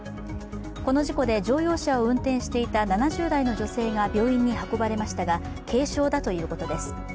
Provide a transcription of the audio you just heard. この事故で乗用車を運転していた７０代の女性が病院に運ばれましたが軽症だということです。